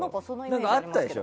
あったでしょ？